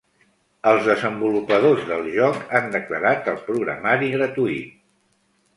Els desenvolupadors del joc han declarat el programari gratuït.